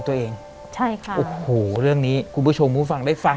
แต่ขอให้เรียนจบปริญญาตรีก่อน